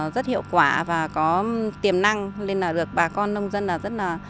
rất hiệu quả và có tiềm năng nên là được bà con nông dân rất là